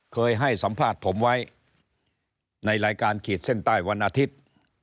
เคยให้สัมภาษณ์ผมไว้ในรายการขีดเส้นใต้วันอาทิตย์